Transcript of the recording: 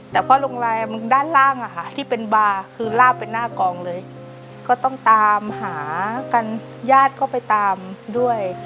แต่พอลงลายด้านล่างอะค่ะที่เป็นบาร์คือลาบไปหน้ากองเลยก็ต้องตามหากันญาติก็ไปตามด้วย